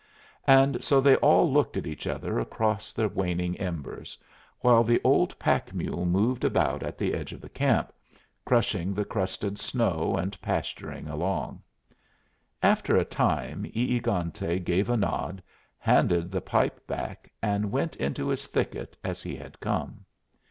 And so they all looked at each other across the waning embers, while the old pack mule moved about at the edge of camp, crushing the crusted snow and pasturing along. After a time E egante gave a nod, handed the pipe back, and went into his thicket as he had come.